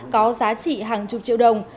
có giá trị hàng chục triệu đồng